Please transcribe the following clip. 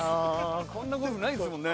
こんなことないですもんね。